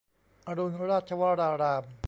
อรุณราชวราราม